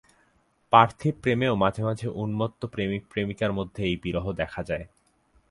পার্থিব প্রেমেও মাঝে মাঝে উন্মত্ত প্রেমিক-প্রেমিকার মধ্যে এই বিরহ দেখা যায়।